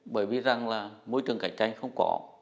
bởi vì rằng là môi trường cạnh tranh không có